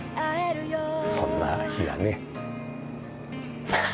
そんな日がね。